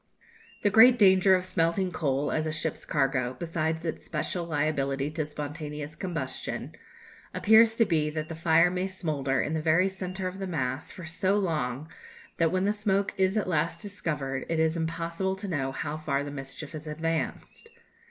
The great danger of smelting coal, as a ship's cargo, besides its special liability to spontaneous combustion, appears to be that the fire may smoulder in the very centre of the mass for so long that, when the smoke is at last discovered, it is impossible to know how far the mischief has advanced.